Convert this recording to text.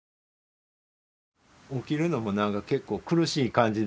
起きるのもなんか結構苦しい感じ。